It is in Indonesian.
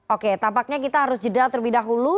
oke tampaknya kita harus jeda terlebih dahulu